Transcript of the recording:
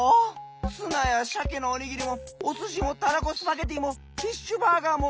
ツナやしゃけのおにぎりもおすしもたらこスパゲティーもフィッシュバーガーも！